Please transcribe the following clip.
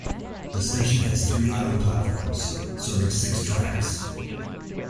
The station has three island platforms serving six tracks.